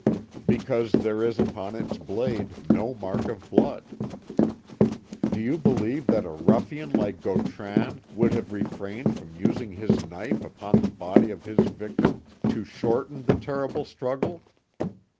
Because there is upon its blade no mark of blood. "Do you believe that a ruffian like Gautran would have refrained from using his knife upon the body of his victim, to shorten the terrible struggle?